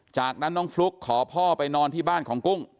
จากนั้นน้องฟลุ๊กขอพ่อไปนอนที่บ้านของกุ้ง